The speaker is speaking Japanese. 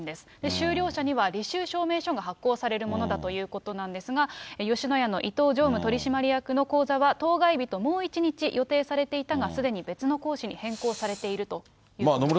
修了者には履修証明書が発行されるものだということなんですが、吉野家の伊東常務取締役の講座は当該日ともう１日予定されていたが、すでに別の講師に変更されているということです。